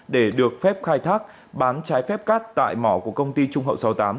để được phép khai thác bán trái phép cát tại mỏ của công ty trung hậu sáu mươi tám